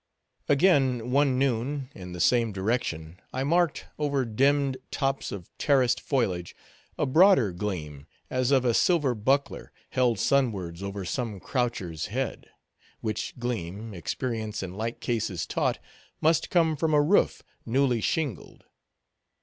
Again, one noon, in the same direction, I marked, over dimmed tops of terraced foliage, a broader gleam, as of a silver buckler, held sunwards over some croucher's head; which gleam, experience in like cases taught, must come from a roof newly shingled.